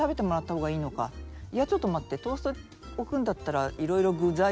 いやちょっと待ってトースト置くんだったら色々。